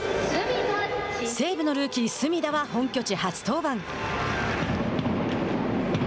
西武のルーキー隅田は本拠地初登板。